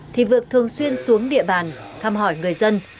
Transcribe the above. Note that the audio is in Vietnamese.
thì vượt thường xuyên xuống địa bàn thăm hỏi người dân